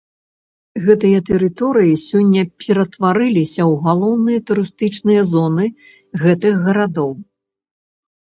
Гэтыя тэрыторыі сёння ператварыліся ў галоўныя турыстычныя зоны гэтых гарадоў.